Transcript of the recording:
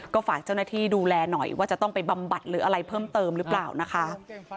ก็ฝากเจ้าหน้าที่ดูแลหน่อยว่าจะต้องไปบำบัดหรืออะไรเพิ่มเติมหรือเปล่านะคะ